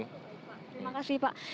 terima kasih pak